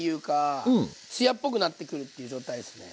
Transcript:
艶っぽくなってくるっていう状態ですね。